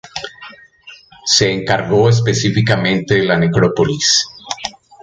Se encargó específicamente de la necrópolis.